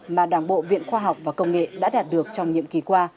mà đảng bộ viện khoa học và công nghệ đã đạt được trong nhiệm kỳ qua